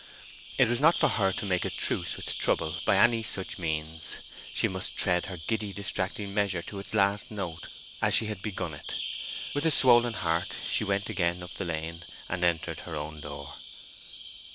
It was not for her to make a truce with trouble by any such means. She must tread her giddy distracting measure to its last note, as she had begun it. With a swollen heart she went again up the lane, and entered her own door.